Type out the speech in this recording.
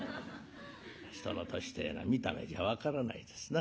人の年てえのは見た目じゃ分からないですな。